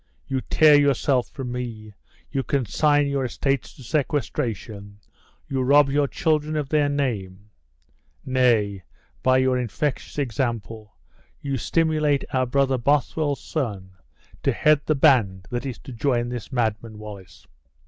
You tear yourself from me, you consign your estates to sequestration, you rob your children of their name; nay, by your infectious example, you stimulate our brother Bothwell's son to head the band that is to join this madman, Wallace!"